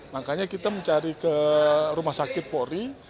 makanya kita mencari ke rumah sakit polri